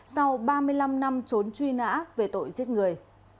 sau ba mươi năm năm trốn truy nã về tội giết người